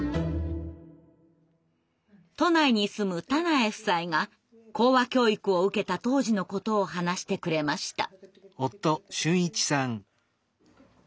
都内に住む田苗夫妻が口話教育を受けた当時のことを話してくれました。